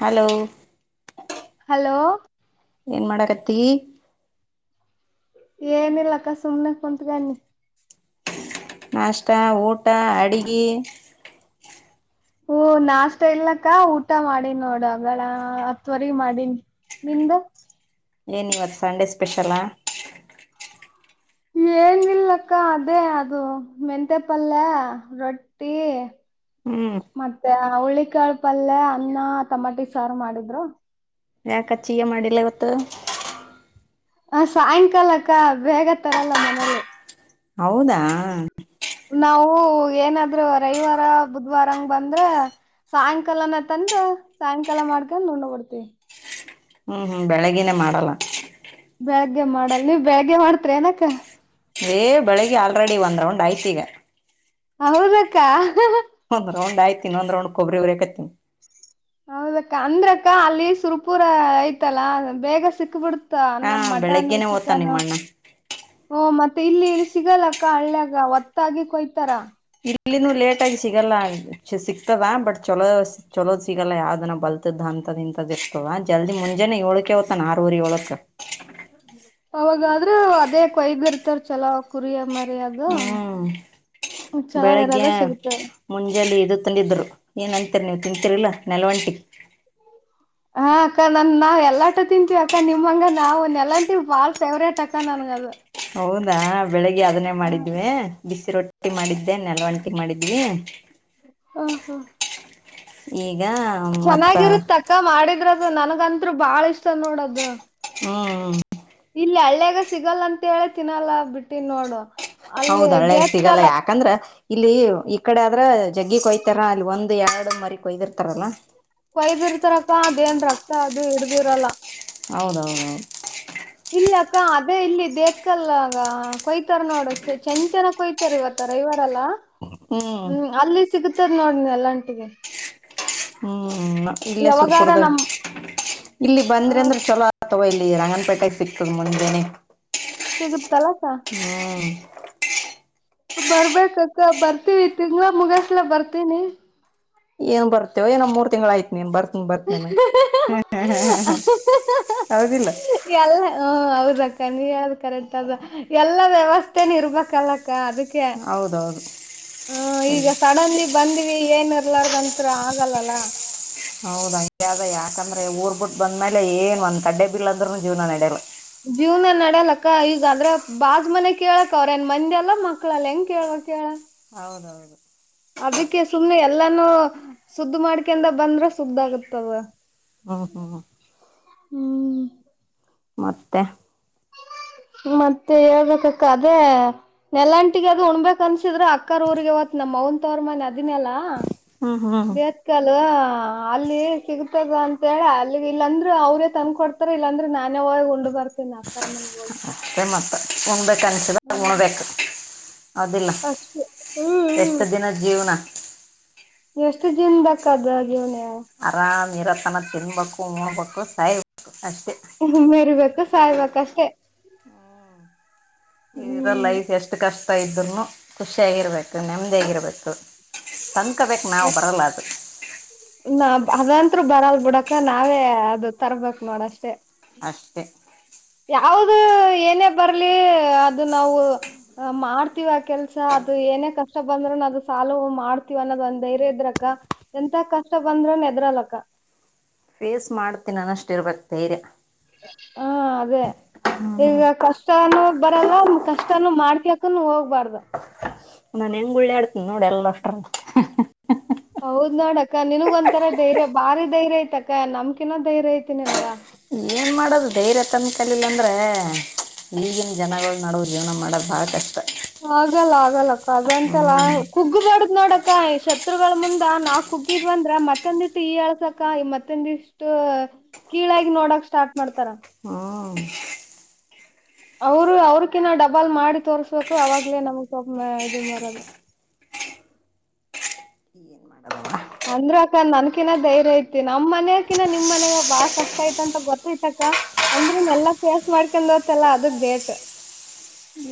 Hello hello ಏನ್ ಮಾಡಕತ್ತಿ ಏನಿಲ್ಲ ಅಕ್ಕ ಸುಮ್ಮನೆ ಕುಂತಗಂಡನೀ ನಾಷ್ಟ ಊಟ ಅಡಗಿ. ಹೂ ನಾಷ್ಟ ಇಲ್ಲ ಅಕ್ಕ ಊಟ ಮಾಡಿನ್ ನೋಡು ಅಗಳ ಹತ್ತು ವರೆಗ ಮಾಡೀನಿ. ನಿಂದು ಏನ ಇವತ್ತು ಸಂಡೆ ಸ್ಪೆಷಲಾ. ಏನ ಇಲ್ಲಕ್ಕ ಅದೇ ಅದು ಮೆಂತೆ ಪಲ್ಯ ರೊಟ್ಟಿ [inaudible] ಮತ್ತೆ ಹುಳ್ಳಿಕಾಳ್ ಪಲ್ಯಾ ಅನ್ನ ತಮಾಟಿ ಸಾರು ಮಾಡಿದ್ರು. ಯಾಕಚ್ಚಿಗೆ ಮಾಡಿಲ್ಲ ಇವತ್ತು. ನಾವು ಸಾಯಂಕಾಲಕ್ಕ ಬೇಗತರಲ್ಲ ಮನೇಲಿ. ಹೌದಾ ನಾವು ಏನಾದರೂ ರವಿವಾರ ಬುಧ್ವಾರ ಹಂಗ ಬಂದ್ರ ಸಾಯಂಕಾಲನ ತಂದ ಸಾಯಂಕಾಲ ಮಾಡ್ಕೊಂಡ್ ಉಂಡಬಿಡ್ತಿವಿ. ಹ್ಮ್ ಹ್ಮ್ ಬೆಳಗ್ಗೆನೇ ಮಾಡಲ್ಲ. ಬೆಳಗ್ಗೆ ಮಾಡಲ್ ನೀವ್ ಬೆಳಗ್ಗೆ ಮಾಡ್ತಿರಾ ಏನಕ್ಕ ಏ ಬೆಳಿಗ್ಗೆ ಆಲ್ರೆಡಿ ಒಂದ್ ರೌಂಡ್ ಆಯ್ತಿಗ. ಹೌದಕ್ಕ ಹಾ ಹ ಒಂದ ರೌಂಡ ಅಯ್ತ ಇನಒಂದ ರೌಂಡ್ ಕೊಬ್ರಿ ಉರೇಕತ್ತಿನಿ. ಹೌದಕ್ಕ ಅಂದ್ರಕ್ಕ ಅಲ್ಲಿ ಸುರ್ಪುರ ಐತಲ್ಲ ಬೇಗ ಸಿಕ್ಕ ಬಿಡ್ ತ ಹಾ ಅಂದ್ರ ಮಟನ್ ಬೆಳಗ್ಗೆನೆ ಓದ್ತಾನ ಚಿಕ್ಕನ್ ನಿಮ್ಮಣ್ಣ ಹ್ಮು ಮತ್ತೆ ಇಲ್ಲಿ ಇಲ್ಲಿ ಸಿಗಲ್ಲಕ್ಕ ಹಳ್ಳ್ಯಾಗ ಒತ್ತಾಗಿ ಕೊಯ್ತಾರ. ಇಲ್ಲಿನೂ ಲೇಟ ಆಗಿ ಸಿಗಲ್ಲ ಸಿಗ್ತದ ಬಟ್ ಚಲೋ ಚಲೋದ ಸಿಗಲ್ಲ ಯಾವ್ದನ ಬಲ್ತದ್ ಅಂತದ ಇಂತದ ಇರ್ತದ ಜಲ್ದಿ ಮುಂಜಾನೆ ಏಳಕ್ಕೆ ಹೋತನ ಆರುವರೆ ಏಳಕ್ಕ. [inaudible] ಅವಾಗಾದ್ರ ಅದೇ ಕೊಯ್ದ ಇರ್ತಾರ ಚಲೋದ ಕುರಿಯ ಮರಿಯದು ಹ್ಮ್ ಚೊಲೋ ಇರದ ಸಿಗ್ತದ. ಮುಂಜಾಲಿ ಇದು ತಂದಿದ್ರು ಏನಂತೀರಿ ನೀವು ತಿಂತೀರಇಲ್ಲ ನೆಲವಂಟಿಗೆ ಹಾ ಅಕ್ಕ ನನ್ ನಾವ್ ಎಲ್ಲಾಟ ತಿಂತೀವಿ ಅಕ್ಕ ನಿಮಂಗ ನಾವು ನೆಲಾಂಟಿ ಬಾಳ್ ಫೇವ್ರೇಟ್ ಅಕ್ಕ ನನ್ಗ ಅದು. ಹೌದಾ ಬೆಳಿಗ್ಗೆ ಅದನ್ನೇ ಮಾಡಿದ್ವಿ ಬಿಸಿ ರೊಟ್ಟಿ ಮಾಡಿದ್ದೆ ನೆಲವಂಟಿ ಮಾಡಿದ್ವಿ. ಹ ಹಾ ಈಗ ಮತ್ತು ಚೆನ್ನಾಗಿರುತಕ್ಕ ಮಾಡಿದ್ರ ಅದು ನನಗಂತ್ರು ಬಾಳ ಇಷ್ಟ ನೋಡದು. ಹ್ಮ್ ಹ್ಮ ಹ ಇಲ್ಲಿ ಹಳ್ಳ್ಯಾಗ ಸಿಗಲ್ಲ ಅಂತ ಹೇಳಿ ತಿನ್ನಲ್ಲ ಬಿಟ್ಟಿನ್ ನೋಡು. ಅಲ್ಲಿ ಹೌದ್ ಹಳ್ಳೆಗ ಸಿಗಲ್ಲ ದೇವ್ಕಲ್ ಯಾಕಂದ್ರ ಇಲ್ಲಿ ಈ ಕಡೆ ಆದ್ರ ಜಗ್ಗಿ ಕೊಯ್ತಾರ ಅಲ್ಲಿ ಒಂದು ಎರಡು ಮರಿ ಕೊಯ್ದಿರ್ತಾರಲ್ಲ. ಕೊಯ್ದ ಇರ್ತಾರಕ್ಕ ಅದೇನ್ ರಕ್ತ ಅದು ಹಿಡ್ದಿರಲ್ಲ. ಹೌದೌದೌದು ಇಲ್ಲಿ ಅಕ್ಕ ಅದೇ ಇಲ್ಲಿ ದೇವತ್ಕಲ್ಲಗ ಕೊಯ್ತಾರ ನೋಡ ಚ ಚಂತೆನ ಕೊಯ್ತ ರ ಇವತ್ತ ರವಿವಾರಲ್ಲಾ ಹ್ಞೂ ಹ್ಮ್ ಅಲ್ಲಿ ಸಿಗತದ ನೋಡ ನೆಲ್ಲಂಟಿಗೆ ಹ್ಮ್ ಇಲ್ಲೇ ಯಾವಾಗಾರ ಸುರುಪುರದಾಗ ನಮ್ ಇಲ್ಲಿ ಆ ಬಂದ್ರ ಅಂದ್ರ ಚಲೋ ಅಥವಾ ಇಲ್ಲಿ ರಂಗನ್ಪೇಟೆ ಸಿಕ್ಕ ಮುಂದನೆ ಸಿಗುತ್ತಲ್ಲಾಕ್ಕ ಹ್ಮ್ ಬರ್ಬೇಕಕ್ಕ ಬರ್ತೀವಿ ತಿಂಗಳ ಮುಗಸ್ಲ ಬರ್ತೀನಿ. ಏನ್ ಬರ್ತವೆ ಏನೋ ಮೂರ್ ತಿಂಗಳಯ್ತು ನೀನ್ ಬತ ಂಬತ್ನೆೇನೆ [unintelligible] ಹ ಹ ಹ ಹ ಹ ಯದಿ ಲ್ಲ ಎಲ್ಲ ಹ ಹೌದಕ್ಕ ನೀ ಹೇಳದ್ ಕರೆಕ್ಟ್ ಅದು ಎಲ್ಲ ವ್ಯವಸ್ಥೆನ ಇರ್ಬೇಕಲ್ಲಕ್ಕ ಅದಕ್ಕೆ ಹೌದೌದು ಹ್ಮ ಹ್ಮ್ ಈಗ ಸಡನ್ಲಿ ಬಂದ್ವಿ ಏನ್ ಇರ್ಲಾರ್ದಂತ ಆಗಲ್ಲಲ್ಲ ಹೌದ ಅಂಗೇದ ಯಾಕಂದ್ರೆ ಊರ್ ಬಿಟ್ಟು ಬಂದ್ಮೇಲೆ ಏನ್ ಒಂದ್ ಕಡ್ಡೆ ಬೀಲ್ ಅಂದ್ರುನು ಜೀವನ ನಡೆಯ ಜೀವನ ನಡ್ಯಲಕ್ಕ ಈಗ ಅದ್ರೆ ಬಾಜ್ ಮನೆ ಕೇಳಕ್ ಅವ್ರ ಏನ್ ಮಂದಿ ಅಲ್ಲ ಮಕ್ಳಲ್ಲ ಹೆಂಗ ಕೇಳವಕ್ ಹೇ ಳ ಹೌದೌದು. ಅದಕ್ಕೆ ಸುಮಮ್ಮನೆ ಎಲ್ಲಾನೂ ಸುದ್ದ ಮಾಡ್ಕಿಂದ ಬಂದ್ರ ಸುದ್ದ ಆಗುತ್ತದ ಹ್ಮ ಹ್ಮ ಹ್ಮ್ ಮತ್ತೆ? ಮತ್ತೆ ಹೇಳ್ಬೇಕಕ್ಕ ಅದೇ. ನೆಲಂಟಿಗೆ ಅದು ಉಣ್ಬಬೇಕಕ್ ಅನ್ಸಿದ್ರ ಅಕ್ಕ ಊರಿಗೆ ಹೋತೀನಿ ನಮ್ಮ್ ಅವ್ವನು ತವರ್ಮನೆ ಮನೆ ಅದಿನೆಲ್ಲಾ ಹ್ಮ ಹ್ಮ ಸಿಕ್ಕಲ್ ಅಲ್ಲಿ ಸಿಗ್ತದ ಅಂತ ಹೇಳ ಅಲ್ಲಿ ಇಲ್ಲಂದ್ರರು ಅವ್ರೇ ತಂದಕ ಕೊಡ್ತ ರ ಇಲ್ಲಾಂದ್ರೆ ನಾನೇ ಹೋಗಿ ಉಂಡಬರ್ತೀನಿ ಬರ್ತೇ ಅಕ್ಕರ ಮನೆಗ್ ಹೋಗಿ ಸ ಮಪ್ಪ [inaudible] ಉಣ್ಬೇಕನ್ಸುದ ಉಣಬೇಕು ಹೌದಿಲ್ಲ ಅಷ್ಟೇ ಹ್ಮ್ [inaudible] ಹ್ಮ್ ಎಷ್ಟು ದಿನದ ಜೀವನ ಎಷ್ಟು ಜೀನ್ದಕ್ಕ ಅದು ಜೀವನ ಆರಾಮ್ ಇರೋತನ ತಿನ್ಬೇಕು ಉಣ್ಡ್ಬೇಕು ಸಾಯಬೇಕು ಅಷ್ಟೆ ಮೀರಿಬೇಕು ಸಾಯ್ಬೇಕಷ್ಟೇ. ಇದರ ಹ್ಮ್ ಲೈಫ್ ಎಷ್ಟು ಕಷ್ಟ ಇದ್ರುನು ಖುಷಿಯಾಗಿರ್ಬೇಕು ನೆಮ್ಮದಿ ಆಗಿರ್ಬೇಕು ತಂದ್ಕಬೇಕು ಅ ನಾವು ಬರಲ್ಲ ಅದು ನಾ ಅದಂತ್ರು ಬರಲ್ ಬಿಡಕ್ಕಾ ನಾವೇ ಅದು ತರ್ಬೇಕಕ್ ನೋಡಷ್ಟೇ ಅಷ್ಟೆ. ಯಾವ್ದ ಏನೇ ಬರ್ಲಿ ಅದು ನಾವು ಮಾಡ್ತೀವ ಕೆಲ್ಸ ಅದು ಏನೇ ಕಷ್ಟ ಬಂದ್ರರುನು ಅದು ಸಾಲು ಮಾಡ್ತೀವ ಅನ್ನೋದ್ ಒನ್ದ ಧೈರ್ಯ ಇದ್ರಕ್ಕ ಎಂತ ಕಷ್ಟ ಬಂದ್ರೆನು ಏದ್ರಲಕ್ಕ ಫೇಸ್ ಮಾಡ್ತೀನಿ ಅನ್ನ ಅಷ್ಟು ಇರ್ಬೇಕಕ್ ಧೈರ್ಯ ಹಾ ಅದೇ ಈಗ ಕಷ್ಟನು ಬರಲ್ಲ ಕಷ್ಟನು [unintelligible] ಮಾಡ್ಕಕು ಹೋಗ್ಬಾರ್ದ ನನ್ ಹೆಂಗ ಗುಳ್ಳ ಆಡ್ತನಿ ನೋಡಿ ಎಲ್ಲ ಅಷ್ಟರಲ್ಲ ಹ [inaudible] ಹೌದ್ ನೋಡಕ್ಕ ನನ್ಗ ಒಂತರ ಧೈರ್ಯ ಭಾರಿ ಧೈರ್ಯ ಐತಕ್ಕ ನಮ್ಕಿನ ಧೈರ್ಯ ಐತಿ ನನ್ಗ ಏನ್ ಮಾಡೋದು ಧೈರ್ಯ ತನಕಲಿಲ್ಲ ಅಂದ್ರೆ ಈಗಿನ ಜನಗಳ ನಡುವ ಜೀವನ ಮಾಡೋದು ಬಹಳ ಕಷ್ಟ. ಆಗಲ್ಲ ಆಗಲ್ಲಕ್ಕ ಹ್ಞೂ ಅದಂತೆಲ್ಲ ಕುಗ್ಗು ಬರ್ದ್ ನೋಡಕ್ ಕ್ಕ ಶತ್ರುಗಳ ಮುಂದ ನಾ ಕುಗ್ಗಿದ್ವ ಅಂದ್ರೆ ಮತ್ತೊಂದಿಷ್ಟು ಈ ಇಯಲ್ಸಕ್ಕ ಮತ್ತಂದಿಷ್ಟು ಕೀಳಾಗಿ ನೋಡಕ್ ಸ್ಟಾರ್ಟ್ ಮಾಡ್ತಾರ ಹ್ಮ ಅವ್ರು ಅವ್ರಕಿನಾ ಡಬಲ್ ಮಾಡಿ ತೋರ್ಸ್ಬೇಕು ಅವಾಗ್ಲೇ ನಮ್ಗ್ [unintelligible] ಇದು ಬರೋದು. ಎನ್ ಮಾಡದವ್ವ. ಅಂದ್ರು ಅಕ್ಕ ನನ್ಕಿನ ಧೈರ್ಯ ಐತಿ ನಮ್ಮ್ ಮಾನ್ಯಕಿನ ನಿಮ್ ಮನ್ಯಾಗ ಬಾಳ ಕಷ್ಟ ಐತ್ ಅಂತ ಗೊತ್ತಾಯ್ತ ಅಕ್ಕ. ಅಂದ್ರು ಎಲ್ಲಾ ಫೇಸ್ ಮಾಡ್ಕೊಂಡ ಹೊತ್ತಲ್ಲಾ ಅದು ಗ್ರೇಟ್.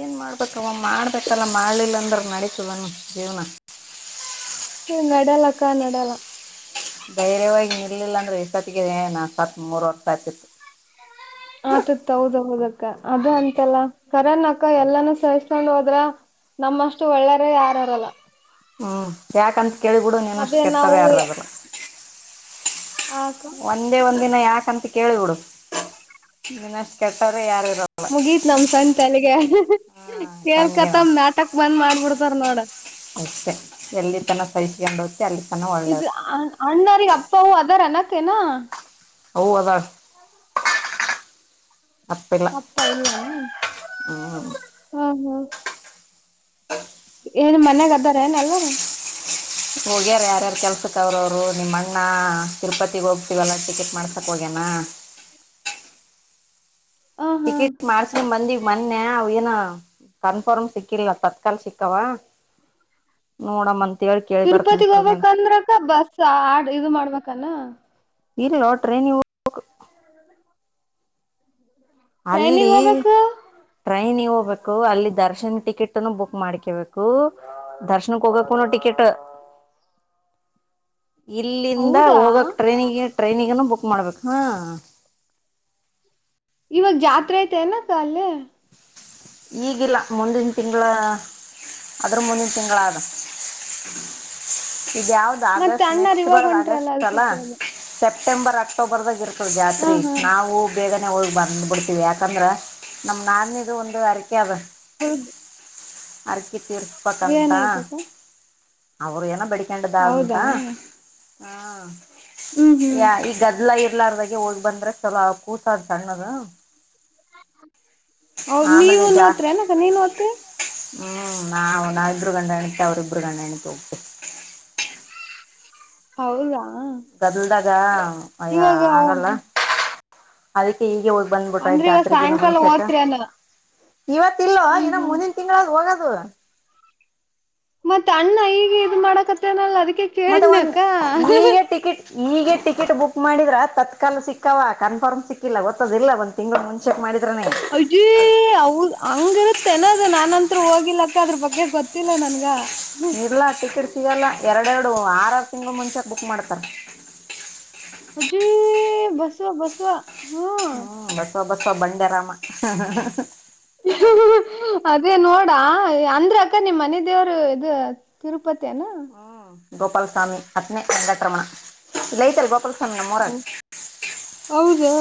ಏನ್ ಮಾಡ್ಬೇಕವ್ ಮಾ ಮಾಡ್ಬೇಕಲ್ಲ ಮಾಡ್ಲಿಲ್ಲ ಅಂದ್ರ ನಡೀತದನ್ ಜೀವನ. ಹ್ಮ ನಡ್ಯಾಲಕ್ಕ ನಡ್ಯಾಲ್. ಧೈರ್ಯವಾಗಿ ನಿರ್ಲಿಲ್ಲ ಅಂದ್ರೆ ಈ ಸತಿಗೆ ನಾ ಸತ್ ಮೂರ್ವರ್ಷ ಆತಿತ್ತು. ಆತಿತ್ ಹೌದ ಹೌದಕ್ಕ ಅದ ಅಂತಲ್ಲ ಕರನ್ ಅಕ್ಕ ಎಲ್ಲಾನ ಸಹಿಸ್ಕೊಂಡ್ ಹೋದ್ರ. ನಮ್ಮಷ್ಟ ಒಳ್ಳೆರೆ ಯಾರಿರಲ್ಲ. ಹ್ಞೂ ಯಾಕಂತ ಕೇಳಬಿಡು ನೀನ್ನಷ್ಟ ಅದೇ ನಾವು ಕೆಟ್ಟೋರೆ ಯಾರ್ ಇರಲ್ಲ. ಹಾ ಅಕ್ಕ. ಒಂದೇ ಒಂದಿನ ಯಾಕಂತ ಕೇಳಿಬಿಡು ನಿನ್ನಷ್ಟ ಕೆಟ್ಟವ್ರೆ ಯಾರು ಇರಲ್. ಮೂಗೀತ್ ನಮ್ ಸಂತಲ್ಲಿಗೆ ಹಾಂ ಹಂಗೆ ನಾವು ಕೇಳ್ಕತ್ತಮ ನಾಟಕ್ ಬಂದ್ ಮಾಡ್ಬಿಡ್ತಾರ ನೋಡ. ಅಷ್ಟೆ ಎಲ್ಲಿ ತನ ಸಹಿಸಕೊಂಡು ಹೋ ಅಲ್ಲಿತನ ಇದು ಅ ಅಣ್ಣಾರಿಗ ಅಪ್ಪ ಅವ್ವಾ ಅದರೇನ್ ಅಕ್ಕ ಹೀನಾ. ಅವ್ವ ಅದಳ. ತಪ್ಪಿಲ್ಲ ಅಪ್ಪ ಇಲ್ಲನ ಹ್ಞೂ ಹ್ಮ ಹ್ಮ್. ಏನ್ ಮನ್ಯಾಗ ಅದಾರೇನ್ ಎಲ್ಲರೂ. ಹೋಗ್ಯಾರ ಯಾರ್ಯಾರ ಕೆಲ್ಸಕ್ ಅವ್ರರು ಅವ್ರು ನಿಮ್ಮಣ್ಣ ತಿರುಪತಿಗ್ ಹೋಗತಿವಲ್ಲ ಟಿಕೆಟ್ ಮಾಡ್ಸಕ್ ಹೋಗ್ಯನಾ. ಹ ಹಾ ಟಿಕಿಟ್ ಮಾಡಸ್ಕಂದ ಬಂದಿವ ಮನ್ನೆ ಅವ ಏನ. ಕನ್ಫರ್ಮ್ ಸಿಕ್ಕಿಲ್ಲ ತತ್ಕಲ್ ಸಿಕ್ಕವ ನೋಡಮ್ ಅಂತ್ ತಿರುಪತಿಗ್ ಹೋಗ್ಬೇಕಂದ್ರಕ ಬಸ್ ಆಡ್ ಇದು ಮಾಡ್ಬೇಕನ. ಇಲ್ಲೋ ಟ್ರೈನಿಗ್ ಹೋಗ್ ಟ್ರೈನಿಗ್ ಅಲ್ಲಿ ಹೋಗ್ಬೇಕು ಟ್ರೈನಿಗ ಹೋಗ್ಬೇಕು ಅಲ್ಲಿ ದರ್ಶನ್ ಟಿಕೆಟ್ನು ಬುಕ್ ಮಾಡ್ಕೇಬೇಕು. ದರ್ಶನಕ್ ಹೋಗಕುನ್ನು ಟಿಕಿಟ್. ಇಲ್ಲಿಂದ ಹೌದಾ ಹೋಗಕ್ ಟ್ರೈನಿಗೆ ಟ್ರೈನಿಗನು ಬುಕ್ ಮಾಡ್ಬೇಕ ಹಾ ಇವಾಗ ಜಾತ್ರೆ ಐತೆಲ್ಲ ಅಕ್ಕ ಅಲ್ಲೆ. ಈಗಿಲ್ಲ ಮುಂದಿನ ತಿಂಗಳ ಅದರ್ ಮುಂದಿನ ತಿಂಗಳ ಆದ ಇದ ಯಾವ್ದ ಮತ್ತ ಆಗಸ್ಟ್ ಅಣ್ಣಾರ್ ನೆಕ್ಸ್ಟ್ ಇವಾಗ ಬರದ ಆಗಸ್ಟ್ ಹೊಂಟ್ರಲ್ಲ ಅದಕ್ಕೆ ಅಲ್ಲ. ಕೇಳ್ದೆ ಸೆಪ್ಟೆಂಬರ್ ಅಕ್ಟೋಬರ್ದಾಗ ಇರ್ತದ ಹ ಜಾತ್ರಿ ಹಾ ನಾವು ಬೇಗನೆ ಹೋಗಿ ಬಂದ್ ಬಿಡ್ತೀವಿ ಯಾಕಂದ್ರ ನಮ್ ನಾದನಿದು ಒಂದು ಹರಕೆ ಅದ. ಹ್ಮ ಅರ್ಕಿ ತೀರ್ಸ್ಬೇಕಂತ ಏನೈತಕ್ಕ ಅವ್ರು ಏನೋ ಬೇಡಿ ಬೇಡಿಕೊಂಡಿದ್ ಆದ್ ಅಂತ ಹೌದಾ ಹ ಹ್ಮ್ ಹ್ಮ್ ಯಾ ಈ ಗದ್ಲ ಇರ್ಲಾರ ಹೋಗ್ ಬಂದ್ರ ಚಲ ಕೂಸ ಆದ್ ಸಣ್ಣದ. ಹೌದ್ ಆಮೇಲೆ ನೀವುನು ಜಾಸ್ತಿ ಹೊತ್ರೆನಕ್ಕ ನೀನು ಹೋತಿ. ಹ್ಮ್ ನಾವ್ ನಾವಿಬ್ರು ಗಂಡ ಹೆಣತಿ ಅವರಿಬ್ಬರು ಗಂಡ ಹೆಣತಿ ಹೋಗತಿವಿ. ಹೌದಾ ಗದಲ್ದಾಗ ಅಯ್ಯ ಇವಾಗ ಆಗಲ್ಲ. ಅದಕ್ಕೆ ಈಗೆ ಹೋಗ್ ಬಂದ್ಬಿಟ್ರ ಐತ್ ಅಂದ್ರೆ ಇವಾಗ ಜಾತ್ರಿಕಿನ ಸಾಯಂಕಾಲ ಮುಂಚೆಕ ಓದ್ತಿರೇನ ಇವತ್ತ ಇಲ್ವ ಹ್ಮ್ ಹೀನಾ ಹ್ಮ್ ಮುಂದಿನ ತಿ ತಿಂಗಳಗ ಹೋಗದು. ಮತ್ತೆ ಅಣ್ಣ ಈಗ ಇದು ಮಾಡಕತ್ತ ಅನಲ್ಲ ಅದಕ್ಕೆ ಮತ್ತೆ ಒಂದು ಕೇಳಿದ್ನಕ್ಕ ಈಗ ಟಿಕೆಟ್ ಈಗ ಟಿಕೆಟ್ ಬುಕ್ ಮಾಡಿದ್ರ ತತ್ಕಾಲ ಸಿಕ್ಕವ ಕನ್ಫರ್ಮ್ ಸಿಕ್ಕಿಲ್ಲ ಗೊತ್ತದಿಲ್ಲ ಬಂತ ತಿಂಗಳು ಮುಂಚೆಕ್ ಮಾಡಿದ್ರನೇ ಅಜೀ ಅವ ಹಂಗಿರುತ್ತೇನದು ನಾನಂತ್ ಹೋಗಿಲಕ್ಕ ಅದ್ರ ಬಗ್ಗೆ ಗೊತ್ತಿಲ್ಲ ನನ್ಗ ಇರ್ಲ್ಲಾ ಟಿಕೆಟ್ ಸಿಗಲ್ಲ ಎರಡೆರಡು ಆರು ತಿಂಗಂಗಳು ಮುಂಚೆಾಗ ಬುಕ್ ಮಾಡ್ತಾರೆ ಹಜಿ ಬಸುವ ಬಸುವ ಹ್ಮ್ ಬಸವ ಬಸವ ಬಂಡೆರಾಮ ಅದೇ ನೋಡಾ ಅಂದ್ರ ಅಕ್ಕ ನಿಮ್ ಮನೆ ದೇವರು ಇದು ತಿರುಪತಿಯನಾ ಹ್ಮ್ ಗೋಪಾಲಸ್ವಾಮಿ ಹತ್ನೇ ಅಂದಕ ರಮಣ ಇಲ್ಲ ಐತಲ್ಲ ಗೋಪಾಲಾಮ ಸ್ಣ ಮರ ಹೌದಾ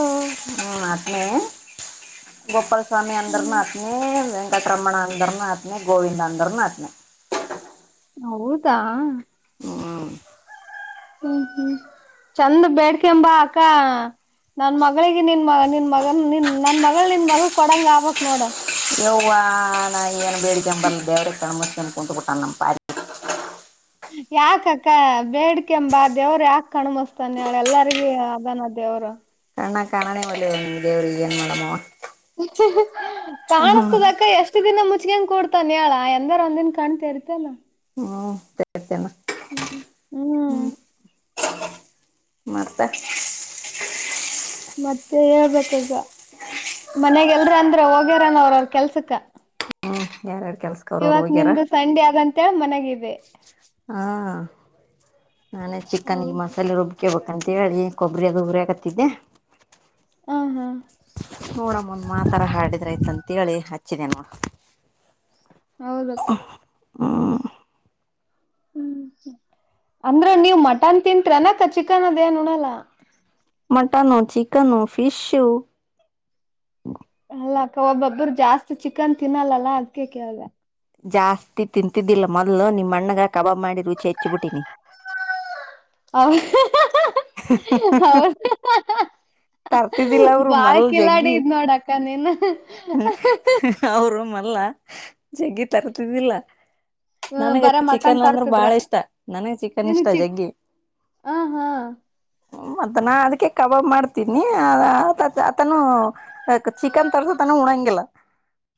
ಹ್ಮ ಆತ್ನ ಗೋಪಾಲ ಸ್ವಾಮಿ ಅಂದರು ಹ್ಮ್ ಮಾ ಅತ್ನಿಂ ಬಕ್ರಮಣ ಅಂದ್ರನೂ ಆತನ ಗೋವಿಂದ ಅಂದ್ರನೂ ಆತ್ನ ಹೌದಾ ಹ್ಮಞ ಹ್ಮ್ ಹ್ಮ್ ಚಂದ ಬೇಡ್ಕೆಂಬಾ ಅಕ್ಕ ನನ್ ಮಗಳಿಗೆ ನಿನ್ ಮ ನಿನ್ ಮಗನ್ ನಿನ್ ನನ್ ಮಗಳ ನಿನ್ ಮಗ ಕೊಡಂಗ ಆಬಕ್ ನೋಡ ಯ್ವ ನಾ ಏನ್ ಬೇಡಿಕೆಂಬರ್ ಬೇವ್ರ ಕಣ್ಮನ್ ಕುಂ ಬಿಟ್ಟ ನ ಯಾಕಕ್ಕ ಬೇಡ್ಿಕೆಂಬ ದೇವ್ರ ಯಾಕ ಕಣ್ಮಸ್ತಾನೆ ಅವಳ ಎಲ್ಲರಿಗ ಅದಾನ ದೇವರು ಅಣ್ಣ ಕಣಾನೇ ಒಳ್ಳಿ ದೇವರಿಗೆಗೆ ಏನ್ ಮಡಮ ಕಾಣಸ್ತದಕ್ಕ ಎಷ್ಟು ಅಷ್ಟ ದಿನ ಮುಚ್ಗಂಗ ಕೂತಾನನ್ ಹೇಳ ಎಂದಾರ ಒಂದಿನ್ ಕಾಣ್ತಿ ಇರ್ತೇನ ಹ್ಮ್ ಸೇರ್ತೇನಾ ಹ್ಮ್ ಹ್ಮ್ ಹ್ಮ್ ಮಾಡ್ತ ಮತ್ತೆ ಹೇಳ್ಬೇಕು ಈಗ ಮನೆಗೆಲ್ರ ಅಂದ್ರ ಹೋಗ್ಯಾರನ ಅವ್ರ ಅವ್ರ ಕೆಲ್ಸಕ್ಕ ಹ್ಮ್ ಯಾರರಡು ಕೆಲಸ ಇವಕ್ ನಿಮ್ದು ಸಂಡೆ ಆದಂತ ಮನೆಗಿದೆ ಹಾ ನಾನೇ ಚಿಕನ್ಗೆ ಮಸಾಲೆ ರುಬ್ಕೇಬೇಕಂತ ಹೇಳಿ ಕೊ ಗುರಾಗ ಗುರೇ ಹಕತ್ತಿದ್ದೆ ಹಾ ಹಾ ನೂರಮ್ಮೊಂದ ಮಾತರ ಹಾಡಿದ್ರಯತ ಅಂತೇಳಿ ಹಚ್ಚಿದೇನುೋ ಹೌದಕ್ಕ ಹಾ ಹ್ಮ್ ಅಂದ್ರ ನೀವ್ ಮಟನ್ ತಿಂತಟ್ರ ಅನಕ್ಕ ಚಿಕನ್ ಅದೇನು ಉಣಲ್ಲ ಮಟನ್ನು ಚಿಕನ್ನು ಫಿಶು ಅಲ್ಲ ಅಕ್ಕ ಒಬ್ಬೊಬ್ಬರು ಜಾಸ್ತಿ ಚಿಕನ್ ತಿನ್ನಲ್ಲಲ್ಲ ಅದ್ಕೆ ಕೇಳ್ದ ಜಾಸ್ತಿ ತಿಂತಿದ್ದಿಲ್ಲ ಮೊದ್ಲು ನಿಮ್ ಅಣ್ಣಗ ಕಬಾಬ್ ಮಾಡಿ ರುಚಿ ಹೆಚ್ಚಿಬಿಟ್ಟಿನಿ ಇಲ್ಲ ಹೌ ಹೌ ತರ್ತಿದ್ದಿಲ್ಲ ಅವರು ಬಾಳ್ ಮಲ್ ಕಿಲಾಡಿ ಜಗ್ಗಿ ಇದ್ ನೋಡ ಅಕ್ಕ ನೀನ್ ಅವರುೂಮಲ್ಲ ಜಗ್ಗಿ ತರ್ತಿದಿಲ್ಲ ನನಗ ಬರ ಮಟನ್ ಚಿಕನ್ ಅಂದ್ರೆ ಬಾಳ ತರ್ತಿದ್ರನ ಇಷ್ಟ ನನಗ್ ಚಿಕನ್ ಇಷ್ಟ ಜಗ್ಗಿ ಆ ಹಾ ಮತ್ತ ನಾ ಅದಕ್ಕೆ ಕಬಾಬ್ ಮಾಡ್ತೀನಿ ಅತತ ಆತನು ಅಕ್ ಚಿಕನ್ ತರ್ಸತನ ಉಣಂಗಿಲ್ಲ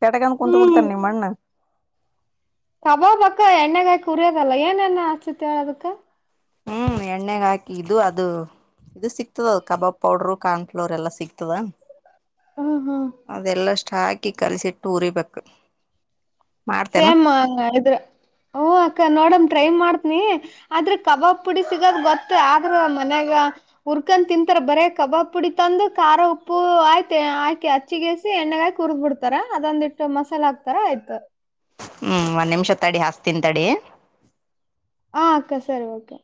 ಶೇಟಕಂದ ಕುಂತ್ ಬಿಡ್ತಾನ ಹ್ಮ್ ನಿಮ್ಮಣ್ಣ. ಕಬಾಬ ಅಕ್ಕ ಎಣ್ಣೆಗಾಕಿ ಹುರಿಯೋದಲ್ಲ ಏನೇನ್ ಹಚ್ಚತಿ ಹೇಳದಕ್ಕ ಹ್ಮ್ ಎಣ್ಣೆಗಾಕಿ ಇದು ಅದು ಇದು ಸಿಗ್ತದ ಕಬಾಬ್ ಪೌಡರು ಕಾಣಫ್ಲೋರ ಎಲ್ಲಾ ಸಿಗ್ತದ ಹಾ ಹಾ ಅದೆಲ್ಲಷ್ಟ ಹಾಕಿ ಕಲ್ಸಿಟ್ಟು ಉರಿಬೇಕು ಮಾಡ್ತೇನ ಸೇಮ್ ಹಂಗ ಇದ್ರೆ ಹ ಅಕ್ಕ ನೋಡಮ ಟ್ರೈ ಮಾಡ್ತನಿ ಆದ್ರ ಕಬಾಬ್ ಪುಡಿ ಸಿಗದ ಗೊತ್ತ ಆದ್ರ ಮನ್ಯಾಗ ಹುರ್ಕೊಂದ ತಿಂತಾರೆ ಬರೆ ಕಬಾಬ್ ಪುಡಿ ತಂದು ಖಾರ ಉಪ್ಪು ಆಯ್ತೆ ಆಯ್ಕಿ ಆ ಚಿಗೇಸಿ ಎಣ್ಣೆಗಾಯಿ ಹುರ್ದ್ ಬಿಡ್ತಾರ ಅದೊಂದಿಟ್ಟ ಮಸಾಲೆ ಹಾಕ್ತಾರ ಆಯ್ತು ಹ್ಮ್ ಒಂದ್ ನಿಮಿಷ ತಡಿ ಹಚ್ತಿನ ತಡಿ ಹ ಅಕ್ಕ ಸರಿ ಓಕೆ.